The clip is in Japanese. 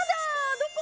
どこ？